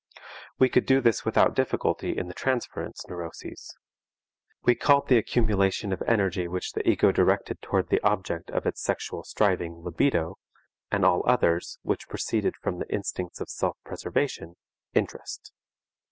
We could do this without difficulty in the transference neuroses. We called the accumulation of energy which the ego directed towards the object of its sexual striving libido and all others, which proceeded from the instincts of self preservation, interest.